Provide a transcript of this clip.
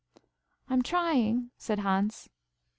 "I'm trying," said Hans.